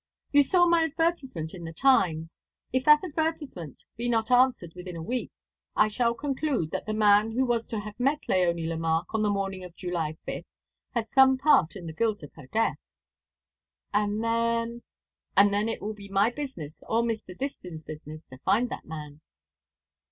"You saw my advertisement in the Times. If that advertisement be not answered within a week, I shall conclude that the man who was to have met Léonie Lemarque on the morning of July 5th has some part in the guilt of her death." "And then " "And then it will be my business or Mr. Distin's business to find that man."